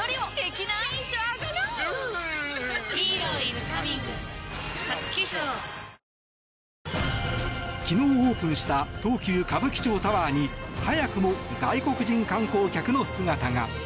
すみません損保ジャパン昨日オープンした東急歌舞伎町タワーに早くも外国人観光客の姿が。